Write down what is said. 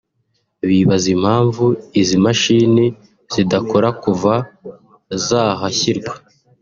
bibaza impamvu izi mashini zidakora kuva zahashyirwa